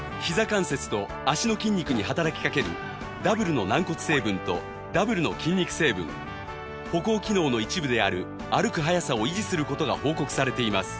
関節と脚の筋肉に働きかけるダブルの軟骨成分とダブルの筋肉成分歩行機能の一部である歩く早さを維持する事が報告されています